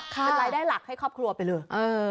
เป็นรายได้หลักให้ครอบครัวไปเลย